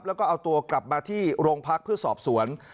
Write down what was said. แล้วก็เอาตัวกลับมาที่โรงพักเพื่อสอบสวน